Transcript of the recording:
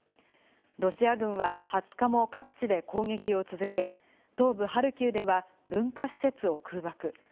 ロシア軍は２０日も各地で攻撃を続け、東部ハルキウでは文化施設を空爆。